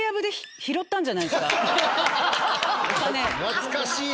懐かしい！